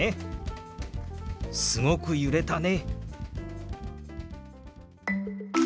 「すごく揺れたね」。